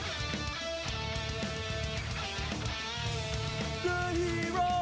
โปรดติดตามตอนต่อไป